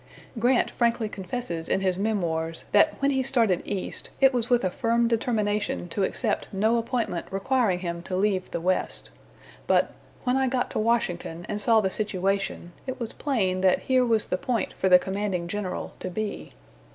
Grant frankly confesses in his "Memoirs" that when he started east it was with a firm determination to accept no appointment requiring him to leave the West; but "when I got to Washington and saw the situation, it was plain that here was the point for the commanding general to be."